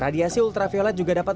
radiasi ultraviolet juga dapat